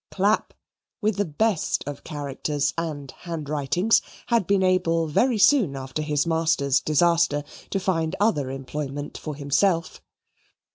Clapp, with the best of characters and handwritings, had been able very soon after his master's disaster to find other employment for himself.